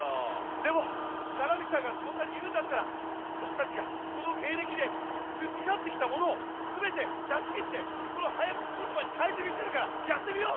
でもななみちゃんがそんなにいうんだったらぼくたちがこのげいれきでつちかってきたものをすべてだしきってこのはやくちことばにかえてみせるからやってみよう！